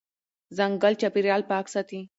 ځنګل چاپېریال پاک ساتي.